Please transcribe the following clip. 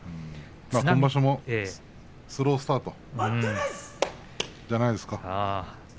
今場所もスロースタートじゃないですか。